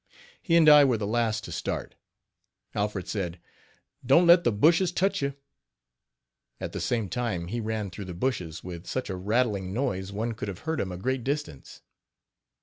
He and I were the last to start. Alfred said: "Don't let the bushes touch you;" at the same time he ran through the bushes with such a rattling noise one could have heard him a great distance.